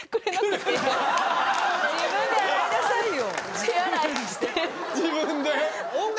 自分で洗いなさいよ！